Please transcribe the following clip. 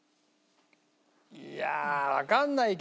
いやあわからないけど。